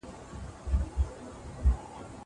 زه کولای سم خواړه ورکړم.